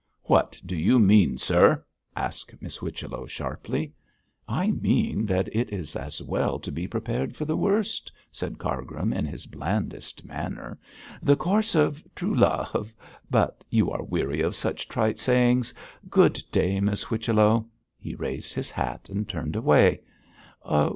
'What do you mean, sir?' asked Miss Whichello, sharply. 'I mean that it is as well to be prepared for the worst,' said Cargrim, in his blandest manner. 'The course of true love but you are weary of such trite sayings. Good day, Miss Whichello!' He raised his hat and turned away.